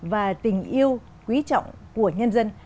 và tình yêu quý trọng của nhân dân